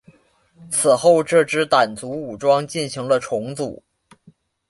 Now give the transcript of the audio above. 此后这支掸族武装进行了重组。